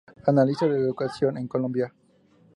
Analista de la educación en Colombia.